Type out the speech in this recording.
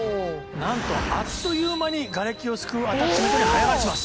なんとあっという間にガレキをすくうアタッチメントに早変わりします。